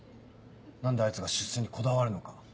何であいつが出世にこだわるのか。